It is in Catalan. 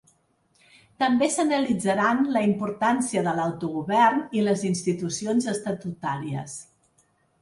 També s’analitzaran la importància de l’autogovern i les institucions estatutàries.